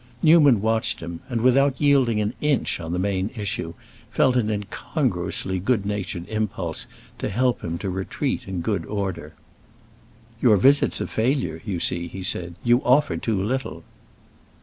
Newman watched him, and, without yielding an inch on the main issue, felt an incongruously good natured impulse to help him to retreat in good order. "Your visit's a failure, you see," he said. "You offer too little."